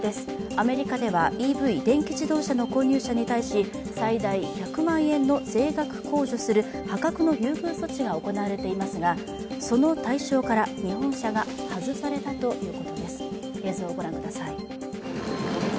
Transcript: アメリカではＥＶ＝電気自動車の購入者に対し最大１００万円の税額控除する破格の優遇措置が行われていますがその対象から日本車が外されたということです。